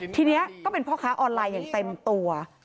ทีนี้ก็เป็นพ่อค้าออนไลน์อย่างเต็มตัว